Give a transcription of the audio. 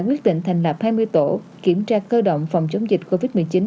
quyết định thành lập hai mươi tổ kiểm tra cơ động phòng chống dịch covid một mươi chín